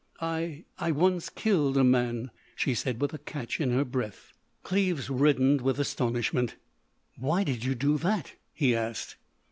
"I—I once killed a man," she said with a catch in her breath. Cleves reddened with astonishment. "Why did you do that?" he asked.